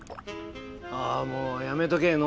ああもうやめとけ。